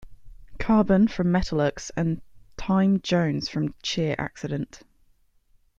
Carbon from Metalux and Thymme Jones from Cheer Accident.